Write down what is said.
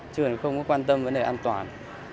chứ không quan tâm vấn đề an toàn